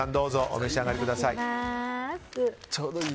お召し上がりください。